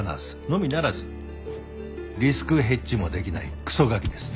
のみならずリスクヘッジもできないクソガキです。